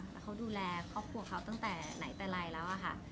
แต่เขาดูแลครอบครัวเขาตั้งแต่ไหนแต่ไรแล้วอะค่ะ